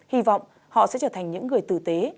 hy vọng họ sẽ trở thành những người tử tế